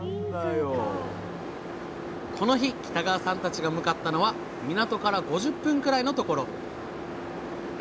この日北川さんたちが向かったのは港から５０分くらいのところ。